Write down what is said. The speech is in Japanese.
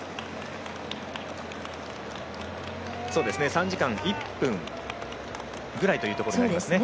３時間１分ぐらいというところですね。